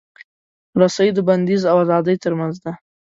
رسۍ د بندیز او ازادۍ ترمنځ ده.